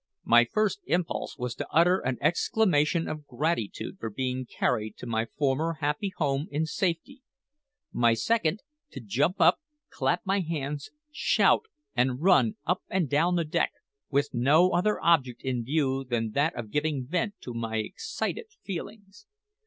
My first impulse was to utter an exclamation of gratitude for being carried to my former happy home in safety; my second, to jump up, clap my hands, shout, and run up and down the deck, with no other object in view than that of giving vent to my excited feelings.